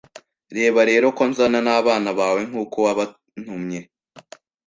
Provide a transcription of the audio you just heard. Reba rero ko nzana nabana bawe nkuko wabantumye